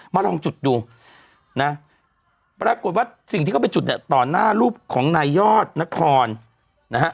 มาลองจุดดูนะปรากฏว่าสิ่งที่เขาไปจุดเนี่ยต่อหน้ารูปของนายยอดนครนะฮะ